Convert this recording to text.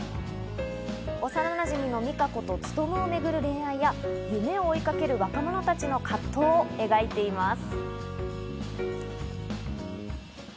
幼なじみの実果子とツトムをめぐる恋愛や夢を追いかける若者たちの葛藤を描いています。